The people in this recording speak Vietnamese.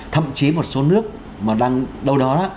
thậm chí một số nước mà đang đâu đó